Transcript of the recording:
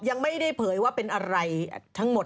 ยังไม่ได้เผยว่าเป็นอะไรทั้งหมด